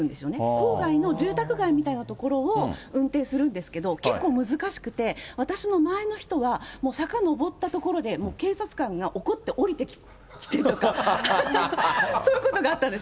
郊外の住宅街みたいな所を運転するんですけど、結構難しくて、私の前の人は、さかのぼった所で、もう警察官が怒って降りてきてとか、そういうことがあったんです。